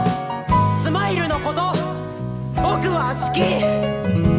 スマイルのことぼくは好き！